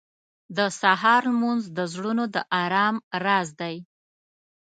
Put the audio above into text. • د سهار لمونځ د زړونو د ارام راز دی.